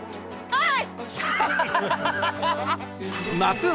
はい。